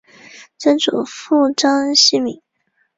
曾祖父章希明。